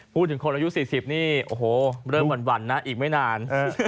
พูดถึงคนอายุ๔๐นี่โอ้โหเริ่มหวั่นนะอีกไม่นาน